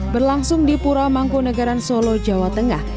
berlangsung di puromanggunegaran solo jawa tengah